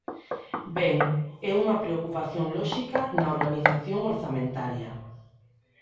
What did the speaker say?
Ben, é unha preocupación lóxica na organización orzamentaria.